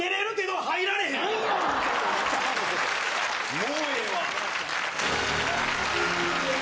もうええわ。